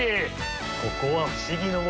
ここは不思議の森。